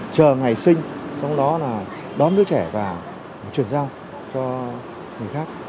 chờ ngày sinh sau đó là đón đứa trẻ và truyền giao cho người khác